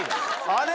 あれ？